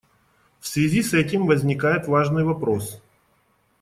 В связи с этим возникает важный вопрос.